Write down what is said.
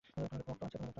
কোনো পোক্ত প্রমাণ?